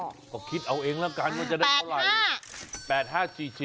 ก็คิดเอาเองแล้วกันว่าจะได้เท่าไหร่